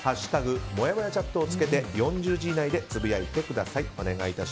「＃もやもやチャット」をつけて４０字以内でつぶやいてください。